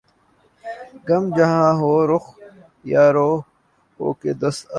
غم جہاں ہو رخ یار ہو کہ دست عدو